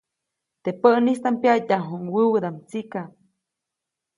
Teʼ päʼnistaʼm pyaʼtyajuʼuŋ wäwädaʼm tsika.